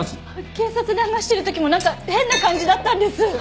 警察で話してる時もなんか変な感じだったんです。